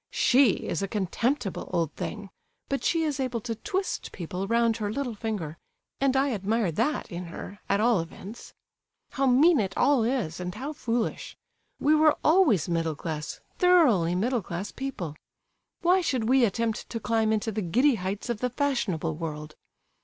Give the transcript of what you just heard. She is a contemptible old thing, but she is able to twist people round her little finger, and I admire that in her, at all events! How mean it all is, and how foolish! We were always middle class, thoroughly middle class, people. Why should we attempt to climb into the giddy heights of the fashionable world?